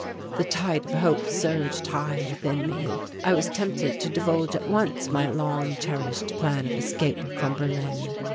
The tide of hope surged high within me. I was tempted to divulge at once my long cherished plan of escape from Berlin.